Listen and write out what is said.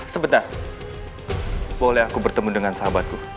sebentar boleh aku bertemu dengan sahabatku